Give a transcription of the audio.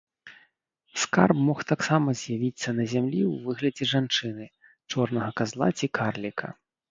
Скарб мог таксама з'явіцца на зямлі ў выглядзе жанчыны, чорнага казла ці карліка.